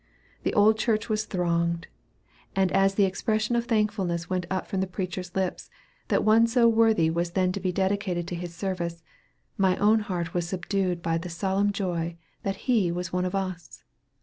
The old church was thronged; and as the expression of thankfulness went up from the preacher's lips, that one so worthy was then to be dedicated to his service, my own heart was subdued by the solemn joy that he was one of us.